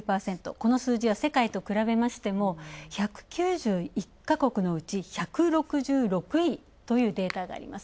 この数字は世界と比べても１９１カ国のうち１６６位というデータがあります。